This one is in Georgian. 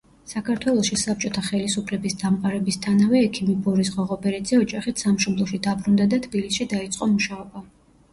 საქართველოში საბჭოთა ხელისუფლების დამყარებისთანავე ექიმი ბორის ღოღობერიძე ოჯახით სამშობლოში დაბრუნდა და თბილისში დაიწყო მუშაობა.